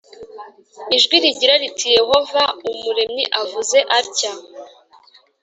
ijwi rigira riti yehova umuremyiavuze atya